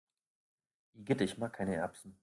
Igitt, ich mag keine Erbsen!